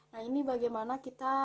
nah ini bagaimana kita